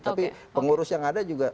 tapi pengurus yang ada juga